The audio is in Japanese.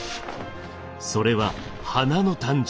それは花の誕生。